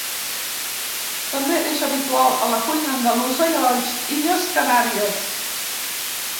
També és habitual a la cuina andalusa i a les illes Canàries.